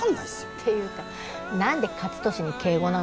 っていうかなんで勝利に敬語なの？